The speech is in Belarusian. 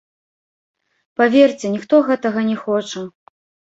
Паверце, ніхто гэтага не хоча.